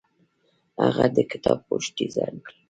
هغه د کتاب پوښ ډیزاین کړ.